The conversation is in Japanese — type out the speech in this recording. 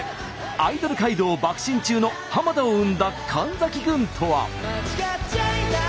アイドル街道ばく進中の田を生んだ神崎郡とは？